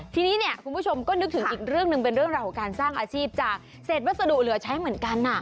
ทีนี้เนี่ยคุณผู้ชมก็นึกถึงอีกเรื่องหนึ่งเป็นเรื่องราวของการสร้างอาชีพจากเศษวัสดุเหลือใช้เหมือนกัน